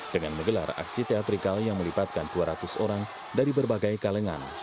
dengan menggelar aksi teatrikal yang melibatkan dua ratus orang dari berbagai kalangan